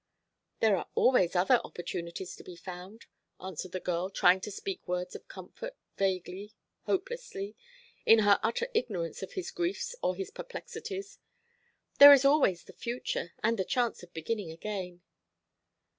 "There are always other opportunities to be found," answered the girl, trying to speak words of comfort, vaguely, hopelessly, in her utter ignorance of his griefs or his perplexities. "There is always the future, and the chance of beginning again."